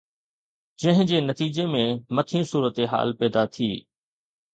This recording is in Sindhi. جنهن جي نتيجي ۾ مٿين صورتحال پيدا ٿي